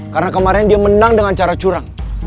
karena kemarin dia menang dengan cara curang